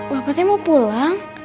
bapak tuh mau pulang